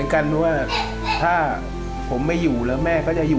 แล้ววันนี้ไม่ได้กลับบ้านมือเปล่าคุณพี่ปู